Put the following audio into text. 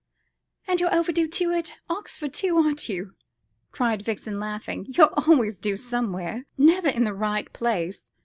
"And you're over due at Oxford, too, aren't you?" cried Vixen, laughing; "you're always due somewhere never in the right place.